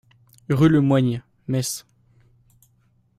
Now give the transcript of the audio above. Rue le Moyne, Metz